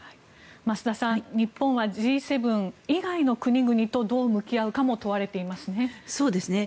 増田さん日本はＧ７以外の国々とどう向き合うかも問われていますね。